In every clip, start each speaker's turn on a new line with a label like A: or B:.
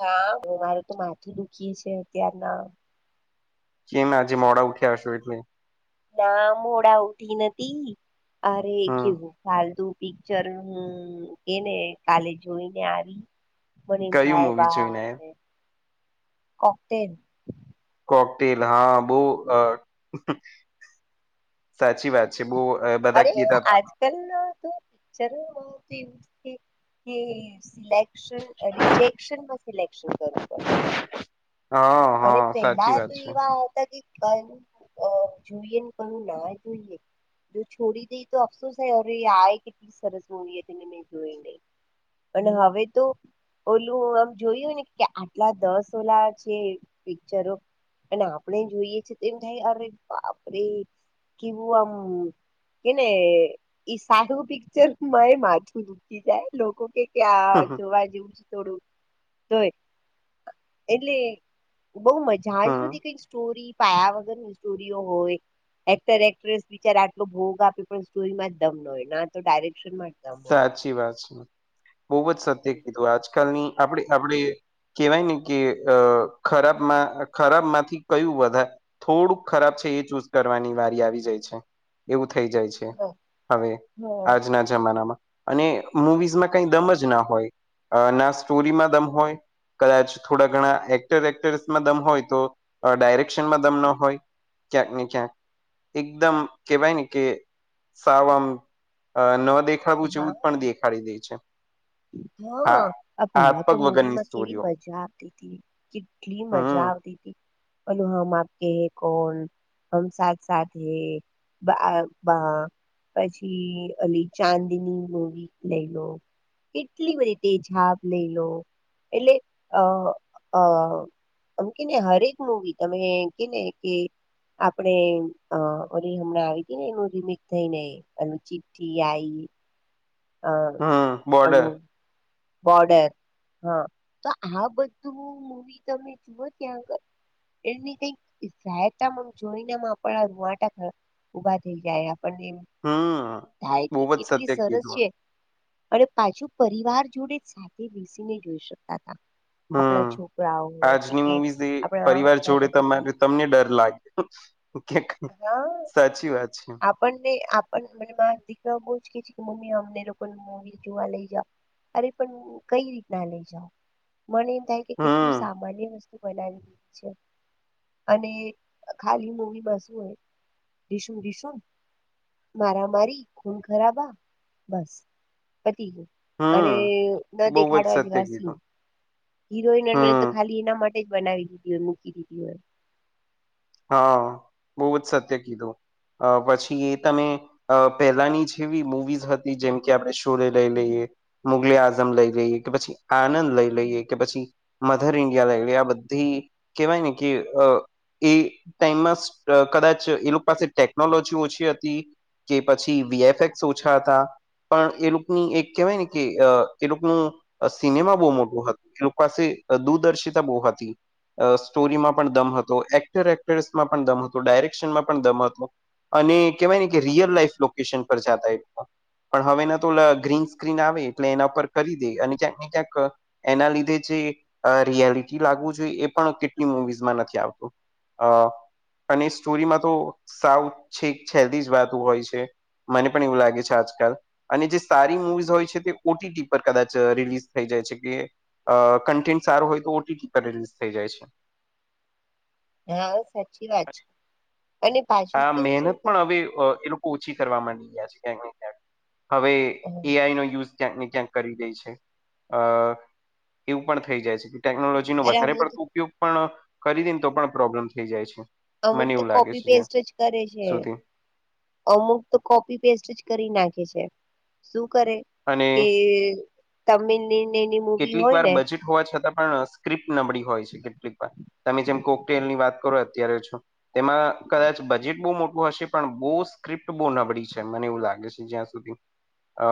A: હા મારું તો માથું દુખી છે અત્યારના.
B: કેમ નાજે મોડા ઉઠીયા સો એટલે
A: ના મોડા ઉઠી નથી અરે
B: હમ
A: કેવું. ફાલતું પિક્ચર હું કેને કાલે જોઈને આવી. બનીને
B: કયું
A: થાય
B: મુવી જોઈને
A: બાપ
B: આયા?
A: રે કોકતેન
B: કોકટેલ હા બઉ અ સાચી વાત છે બઉ અ બધા કેતા તા.
A: કલ્લા તો પચ્ચરો હોતી કે સિલેક્શન રિજેક્શનમાં સિલેક્શન કરવું પડે.
B: હા
A: અરે
B: હા સાચી
A: પહેલા
B: વાત
A: તો
B: છે
A: એવા હતા કે. કયું અ જોઈએ ને કયું ના જોઈએ. જો છોડી દઈ તો અફસોસ હૈ એ આય કેલી સરસ મુઈ હતી તને મે જોઈ નઈ. અને હવે તો ઓલું આમ જોયું ને કે આટલા દસ ઓલા છે. પિક્ચરો અને આપણે જોઈએ છે તો એમ થાય અરે બાપરે. કે હું આમ કે ને ઈ સારું પિક્ચર મારે માથું દૂકી જાય લોકો કે. ક્યા
B: હમ
A: જોવા જેવું છે થોડું ધય એટલે. બઉ મજા જ
B: હમ
A: નથી કઈ સ્ટોરી પાયા વગરની સ્ટોરીઓ હોય. એક્ટર એક્ટ્રેસ બચાર આટલો ભોગ આપે પણ સ્ટોરીમાં જ દમ ન હોય ના તો ડાયરેક્શન મા
B: સાચી વાત છે બઉ જ સત્ય કીધું આજકાલ ની આપણે આપડે. કેવાય ને કે અ ખરાબમાં ખરાબ માંથી કયું વધા થોડુંક ખરાબ છે એ ચૂઝ કરવાની વારી આવી જાય છે એવું થઈ જાય છે. છે
A: હા
B: હવે આજના જમાનામાં અને મુવીઝમાં કઈ દમ જ ના હોય. અ ના સ્ટોરીમાં દમ હોય. કદાચ થોડા ઘણા એક્ટર એક્ટરસમાં દમ હોય તો ડાયરેક્શનમાં દમ ન હોય. ક્યાંક ને ક્યાંક એકદમ કેવાય ને કે. સાવમ ન દેખાડું
A: હા
B: જેવું જ પણ દેખાડી દે છે.
A: હા આ
B: હાથ
A: પહેલા તો
B: પગ વગરની
A: મુવીમાં કેવી
B: સ્ટોરીઓ
A: મજા આવતી હતી કેટલી મજા
B: હમ
A: આવતી હતી [unintelligible] હમ આપકે કોણ આમ સાથ સાથે બા બા પછી અલી ચાંદીની મોવી લઈ લો કેટલી બધી તેજાબ લઈ લો એટલે અ આ આમ કેને હરેક મુવી તમે કેને કે આપડે ઓરી હમણાં આવી ને એનું રીમિકસ થઈનેલ ચીઠી આ [unintelligible]
B: હમ બોર્ડર
A: એનું બોર્ડર હા તો આ બધું મવી તમે જુઓ ત્યાં આગળ એની કઈક સાયતા જોઈનેમાં આપ રૂઆટ ઉભા થઈ જાય આપણને
B: હમ
A: થાય કે
B: બહુ જ
A: કેટલી
B: સત્ય
A: સરસ
B: કીધું
A: છે અને પાછું પરિવાર જોડે સાથે બેસીને જોઈ શકતા હતા આપણા
B: હમ
A: છોકરાઓ હોય કે
B: આજની
A: કે
B: મુવીઝ એ
A: આપણા
B: પરિવાર જોડે
A: માતા પિતા
B: તમારે તમને ડર લાગે્યો
A: હા
B: સાચી વાત છે
A: આપણને આપ મ દીકરા બહુ જ કે છે કે મમ્મી અમને લોકો મવી જોવા લઈ જાવ અરે પણ કઈ રીતના લઈ જાાવ મને એમ થાય કે કેટલું
B: હમ
A: સામાન્ય વસ્તુ બનાવી છે અને ખાલી મવીતુ સમ દસમ મારા મારી ખૂન ખરાબ આ બસ પતી ગયો અને
B: હમ
A: ન
B: બહુ જ
A: દેખાડવા
B: સત્ય
A: જેવા સીન
B: કીધું
A: હીરોઈન
B: હમ
A: તો ખાલી એના માટે જ બનાવી દીધી હોય મૂકી દીધી હોય
B: હા બહ જ સત્ય કીધું પછી એ તમે અ પહેલાની જેવી મુૂવીઝ હતી જેમ કે આપણે શોરે લઈ લઈએ મુગલી આઝમ લઈ લઈએ કે પછી આનંદ લઈ લઈએ કે પછી મધર ઇન્ડિયા લાગલી આ બધી કેહેવાય ને કે એ ટાઈમમાં કદાચ એ લોકો પાસે ટેકનોલોજી ઓછી હતી કે પછી વીએફએક્સ ઓછા હતા પણ એ લોકોની એક કહેવાય ને કે એ લોકોનું સિનેમા બહુ મોટું હતું એ લોકો પાસે દૂરદર્શિતા બહુ હતી સ્ટોરીમાં પણ દમ હતો એક્ટર એક્ટ્રેસમાં પણ દમ હતો ડાયરેક્શનમાં પણ દમ હતો અને કેહેવાય ને કે રિયલ લાઈફ લોકેશન પર જતા પણ હવે એના તો ગ્રીન સ્ક્રીન આવે એટલે એના પર કરી દે અને ક્યાંક ને ક્યાંક એના લીધે જે રિયાલિટી લાગવું જોઈએ એ પણ કેટલી મુવીઝમાં નથી આવતું અ અને સ્ટોરીમાં તો સાવ છેક છેલ્તી જ વાતો હોય છે મને પણ એવું લાગે છે આજકાલ અને જે સારી મવીિઝ હોય છે તે ઓટીટી પર કદાચ રિલીઝ થઈ જાય છે કે અ કન્ટેન્ટ સારું હોય તો ઓટીટી પર રિલીઝ થઈ જાય છે
A: હા સાચી વાત છે અને પાછું
B: આ
A: કેવું
B: મહેનત
A: છે કે
B: પણ હવે એ ઓછી કરવા માંડી ગયા છે ક્યાંક ને ક્યાંક હવે
A: હમ.
B: એઆઈ નો યુઝ ક્યાંકને ક્યાંક કરી દે છે એવું પણ થઈ જાય છે કે ટેકનોલોજી
A: અરે
B: વધારે
A: અમુક
B: પડત
A: તો
B: ઉપયોગ પણ કરી દેને તો પણ પ્રોબ્લેમ થઈ જાય છે
A: અમુક
B: મને
A: તો
B: એવું લાગે
A: કોપી
B: છે જ્યાં
A: પેસ્ટ જ કરે છે
B: સુધી
A: અમુક તો કોપી પેસ્ટ જ કરી નાખે છે શું કરે
B: અને
A: કે તમિની
B: કેટલીક વાર બજેટ હોવા છતાં પણ સ્ક્રિપ્ટ નબળી હોય છે કેટલીક વાર તમે જેમ કોકટેલની વાત અત્યારે તેમાં કદાચ બજેટ બહુ મોટું હશે પણ બહુ સ્ક્રિપ્ટ બહુ નબળી છે મને એવું લાગે છે જ્યાં સુધી અ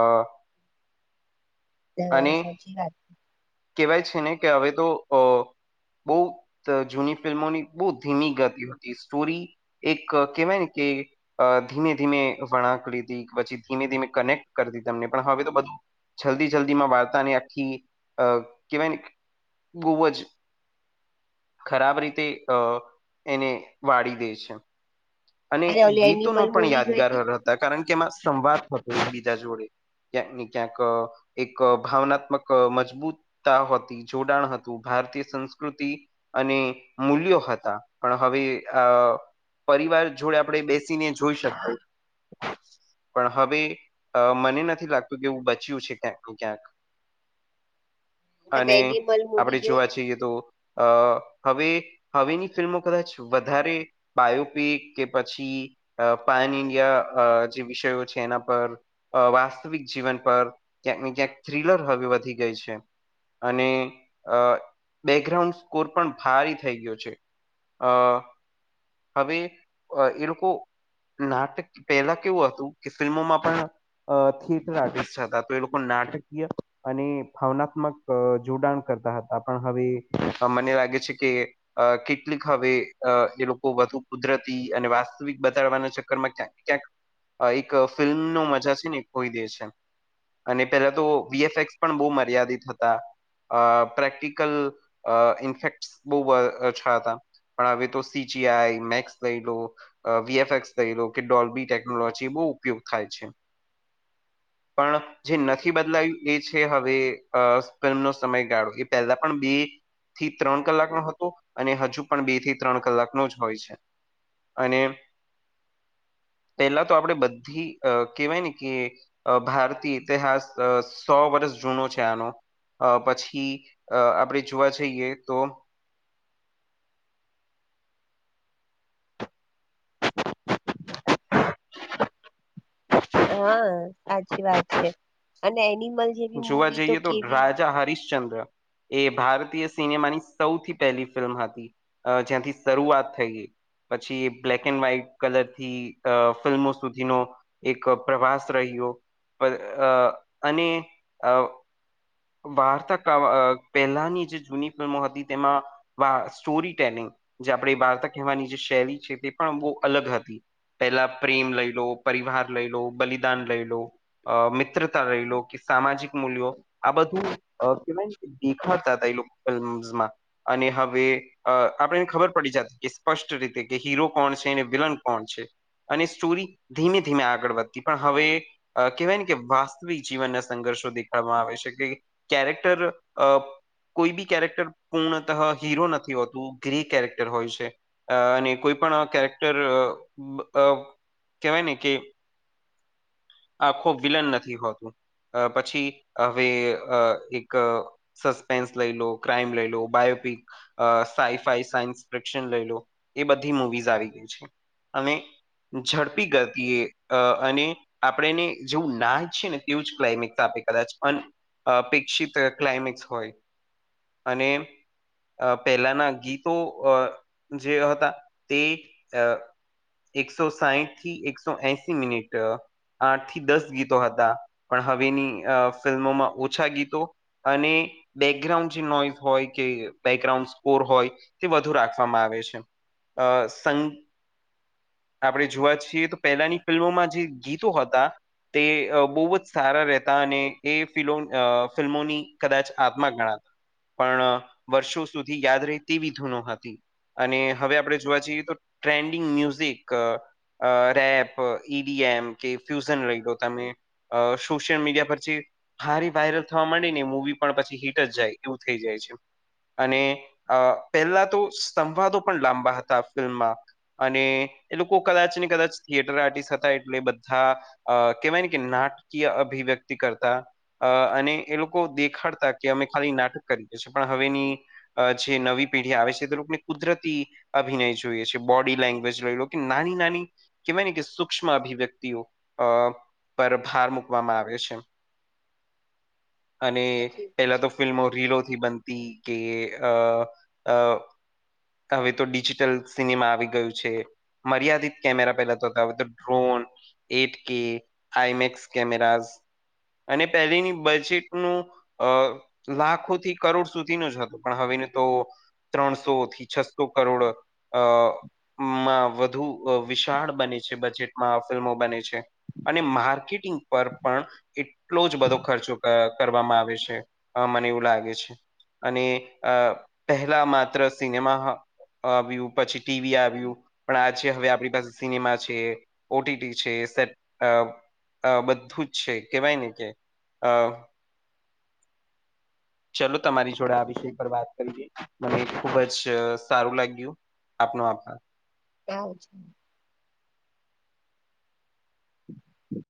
B: [inaudible]
A: સાચી વાત.
B: કવાય છે ને કે હવે તો અ. બહ જૂની ફિલ્મોની બહ ધીમી ગતિ હતી સ્ટોરી. એક કેવા ને કે. અ ધીમે ધીમે વણાંક લીધી પછી ધીમે ધીમે કનેક્ટ કરતી તમને પણ હવે તો બધું. જલ્દી જલ્દી માં વાર્તાને આખી અ કહેવાય બૂ જ. ખરાબ રીતે અ એને વાળી દે છે. અને
A: અરે ઓલી
B: ગીતોનો
A: એનિમલ
B: પણ
A: મુવી જોઈ
B: યાદગાર
A: હતી
B: હતા કારણ કે એમાં સંવાદ થતો એ બીજા જોડે. ક્યાંક ને ક્યાંક એક ભાવનાત્મક મજબૂતતા હોતી. જોડાણ હતું ભારતીય સંસ્કૃતિ. અને મૂલ્યો હતા પણ હવે આ પરિવાર. જોડે આપણેે બેસીને જોઈ શકાય. પણ હવે મને નથી લાગતું કે એું બચ્યું છે ક્યાંક ને ક્યાંક.
A: તમે
B: અને
A: એનિમલ મુવી
B: આપણેે
A: જોઈ
B: જોવા જઈએ તો. અ હવે હવેની ફિલ્મો કદાચ વધારે બાયોપિક. કે પછી પાાયન ઇન્ડિયા જે વિષયો છે એના પર. વાસ્તવિક જીવન પર ક્યાંક ને ક્યાંક થ્રીલર હવે વધી ગઈ છે. અને અ બેકગ્રાઉન્ડ સ્કોર પણ ભારી થઈ ગયો છે. અ હવે એ લોકો. નાટક પહેલા કેવું હતું કે ફિલ્મોમાં પણ. અ થિયેટર આર્ટિસ્ટ હતા તો એ લોકો નાટકીય અને ભાવનાત્મક. જોડાણ કરતા હતા પણ હવે મને લાગે છે કે. અ કેટલીક હવે એ લોકો વધુ કુદરત. અને વાસ્તવિક બતાડવાના ચક્કરમાં ક્યાં ક્યાંક. એક ફિલ્મ ન મજા છે ને એક ખોઈ દે છે. અને પેલા તો વીએફએક્સ પણ બહુ મર્યાદિત હતા. અ પ્રેક્ટિકલ ઇન્ફેક્ટ બહુ અચ્છા હતા. પણ હવે તો સીચીઆઈ મેક્સ. લો વીએફસ થઈ લો કે ડોલબી ટેકનોલોજી બહુ ઉપયોગ થાય છે. પણ જે નથી બદલાયું. એ છે હવે ફિલ્મનો સમયગાળો એ પહેલા પણ બે. થી ત્રણ કલાકનો હતો અને હજુ પણ બે થી ત્રણ કલાકનોો જ હોય છે. અને પહેલા તો આપણે બધી કેહેવાય ને કે. અ ભારતીય ઇતિહાસ સો વર્ષ જૂનો છે આનો. અ પછી અ આપણેે જોવા જઈએ તો.
A: હા સાચી વાત છે અને એનિમલ. જેવી
B: જોવા
A: મૂવી
B: જઈએ તો
A: કેવી
B: રાજા હરિશ્ચંદ્ર. એ ભારતીય સિનેમાની સૌથી પહેલી ફિલ્મ હતી જ્યાંથી શરૂઆત થઈ ગઈ. પછી એ બ્લેક એન્ડ વ્હાઈટ કલર થી અ ફિલ્મો સુધીનો. એક પ્રવાસ રહ્યો અને આ. વાર્તા પહેલાની જે જૂની ફિલ્મો હતી તેમાં. વા સ્ટોરી ટેલિંગ જે આપણે વાર્તા કહેવાની જે શૈલી છે તે પણ બહુ અલગ હતી. પેલા પ્રેમ લઈ લો પરિવાર લઈ લો બલિદાન લઈ લો. અ મિત્રતા રહી લો. સામાજિક મૂલ્યો આ બધું કેવાય દેખાતા હતા એ લોકો ફિલ્મસમાં. અને હવે. અ આપણેને ખબર પડી જતી કે સ્પષ્ટ રીતે કે હીરો કોણ છે અને વિલન કોણ છે. અને સ્ટોરી ધીમે ધીમે આગળ વધતી પણ હવે કહેવાય ને કે વાસ્તવિક જીવન. સંઘર્ષો દેખાવામાં આવે છે કે કેરેક્ટર અ. કોઈ બી કેરેક્ટર પૂર્ણતઃ હીરો નથી હોતું ગ્રે કેરેક્ટર હોય છે. અ અને કોઈ પણ કેરેક્ટર કેહેવાય ને કે આખું વિલન નથી હોતું પછી હવે એક સસ્પેન્સ લઈ લો ક્રાઈમ લઈ લો બાયોપિક. અ સાઈ ફાઈ સાયન્સ ફિક્શન લઈ લો એ બધી મુવીઝ આવી ગઈ છે. અમે ઝડપી કરતીએ અને આપણેને જેવું ના જ છે ને તેવુંજ ક્લાઇમેક્સ આપે કદાચ અપેક્ષિત ક્લાયમેક્સ હોય અને પહેલાના ગીતો જે હતા તે એકસો સાહીઠથી એકસો એશમિનિટ. આઠ થી દસ ગીતો હતા પણ હવેની ફિલ્મોમાં ઓછા ગીતો. અને બેકગ્રાઉન્ડ જે નોઈઝ હોય કે બેકગ્રાઉન્ડ સ્કોર હોય તે વધુ રાખવામાં આવે છે. અ સંઘ આપણેે જોવા છીએ તો પહેલાની ફિલ્મોમાં જે ગીતો હતા. તે બહુ જ સારા રહેતા અને એ ફ ફિલ્મોની કદાચ આત્મા ગણાતા. પણ વર્ષો સુધી યાદ રહે તેવી ધૂનો હતી. અને હવે આપણે જોવા જઈએ તો ટ્રેન્ડિંગ મ્યુઝિક રેપ ઇડીએમ કે ફ્યુઝન રહી લો તમે સોશિયલ મીડિયા પરથી હારી વાયરલ થવા માંડી ને મૂવી પણ પછી હીટ જ જાય એવું થઈ જાય છે. અને પહેલા તો સંતવાદો પણ લાંબા હતા ફિલ્મમાં. અને એ લોકો કદાચ ને કદાચ થિયેટર આર્ટિસ્ટ હતા એટલે બધા. થા કહેવાય ને કે નાટકીય અભિવ્યક્તિ કરતા. અ અને એ લોકો દેખાડતા કે અમે ખાલી નાટક કરીએ છીએ પણ હવેની અ જે નવી પેઢી આવે છે તે લોકોને કુદરતી. અભિનય જોઈએ છે બોડી લેંગ્વેજ લઈ લો કે નાની નાની કહેવાય ને કે સુક્ષ્મ અભિવ્યક્તિ વ્યક્તિઓ અ પર ભાર મૂકવામાં આવે છે. અને
A: સાચી
B: પહેલા તો ફિલ્મો રીલોથી બનતી કે અ અ હવે તો ડિજિટલ સિનેમા આવી ગયું છે. મર્યાદિત કેમેરા પેલા તોતા હતા ડ્રોન. એટ કે આઈમેક્સ કેમેરા અને પહેલીની બજેટનું અ લાખોથી કરોડ સુધીનુંજ હતું પણ હવેને તો ત્રણસો થી છસો કરોડ અ માં વધુ વિશાળ બને છે. બજેટમાં આ ફિલ્મો બને છે અને માર્કેટિંગ પર પણ એટલોજ બધો ખર્ચો અ કરવામાં આવે છે મને એવું લાગે છે. અને અ પહેલા માત્ર સિનેમા આવ્યું પછી ટીવી આવ્યું પણ આજે હવે આપણી પાસે સિનેમા છે ઓટી ટી છે સત આ બધું જ છે કેવાય ને કે ચાલલો તમારી જોડે આ વિષય પર વાત કરીએ મને ખુબજ સારું લાગ્યું. આપનો આભાર.
A: [unintelligible] છે. [inaudible]